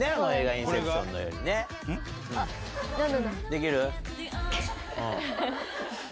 できる？